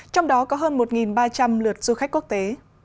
trong đó có hơn một ba trăm linh lượt du khách quốc tế